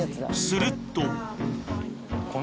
すると